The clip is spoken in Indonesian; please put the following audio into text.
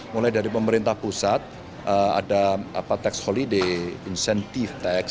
mulai dari pemerintah pusat ada tax holiday incentive tax